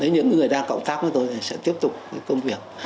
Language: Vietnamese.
những người đang cộng tác với tôi sẽ tiếp tục công việc